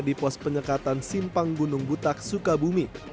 di pos penyekatan simpang gunung butak sukabumi